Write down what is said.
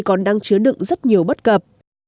còn đang chứa đựng rất nhiều bất cập